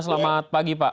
selamat pagi pak